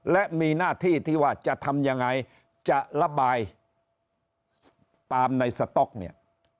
และมีหน้าที่ที่ว่าจะทำยังไงจะระบายปาล์มในสต๊อกเนี่ย